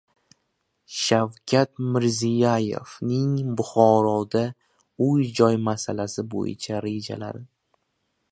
Shavkat Mirziyoyevning Buxoroda uy-joy masalasi bo‘yicha rejalari